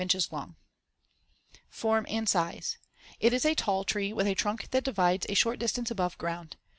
38. English Elm in Winter.] Form and size: It is a tall tree with a trunk that divides a short distance above ground.